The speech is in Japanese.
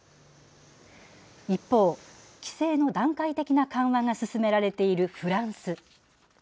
一方、規制の段階的な緩和が進められているフランス。